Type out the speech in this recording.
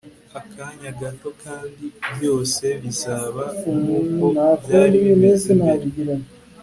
Akanya gato kandi byose bizaba nkuko byari bimeze mbere